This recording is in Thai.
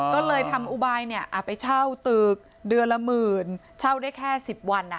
อ๋อก็เลยทำอุบายเนี้ยอ่ะไปเช่าตึกเดือนละหมื่นเช่าได้แค่สิบวันอ่ะ